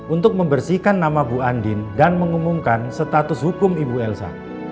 untuk membersihkan nama bu andin dan mengumumkan status hukum ibu elsa